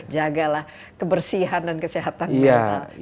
jagalah kebersihan dan kesehatan mental